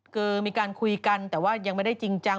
คือมีการคุยกันแต่ว่ายังไม่ได้จริงจัง